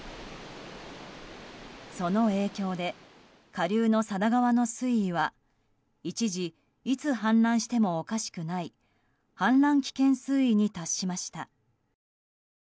その影響で下流の佐田川の水位は一時いつ氾濫してもおかしくない氾濫危険水位に達しました。